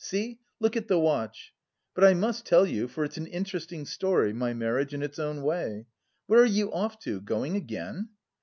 See, look at the watch. But I must tell you, for it's an interesting story, my marriage, in its own way. Where are you off to? Going again?"